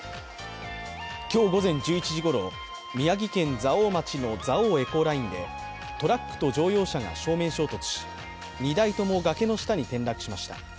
今日午前１１時ごろ、宮城県蔵王町の蔵王エコーラインでトラックと乗用車が正面衝突し２台とも崖の下に転落しました。